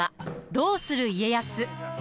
「どうする家康」。